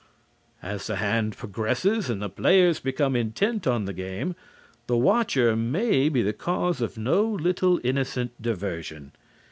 As the hand progresses and the players become intent on the game, the watcher may be the cause of no little innocent diversion.